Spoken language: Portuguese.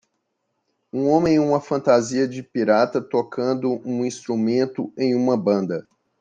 Um homem em uma fantasia de pirata tocando um instrumento em uma banda.